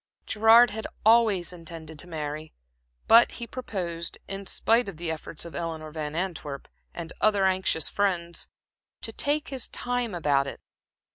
Gerard had always intended to marry, but he proposed, in spite of the efforts of Eleanor Van Antwerp and other anxious friends, to take his time about it.